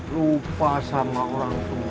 lupa sama orang tua